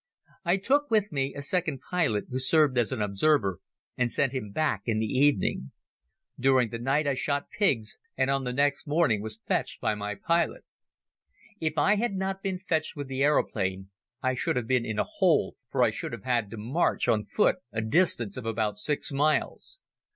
I took with me a second pilot, who served as an observer, and sent him back in the evening. During the night I shot pigs and on the next morning was fetched by my pilot. If I had not been fetched with the aeroplane I should have been in a hole for I should have had to march on foot a distance of about six miles.